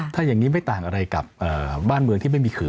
ถ้าอย่างนี้ไม่ต่างอะไรกับบ้านเมืองที่ไม่มีขื่อ